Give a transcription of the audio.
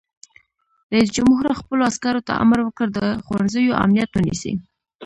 رئیس جمهور خپلو عسکرو ته امر وکړ؛ د ښوونځیو امنیت ونیسئ!